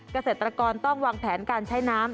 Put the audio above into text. เกษตรกรต้องวางแผนการใช้น้ำ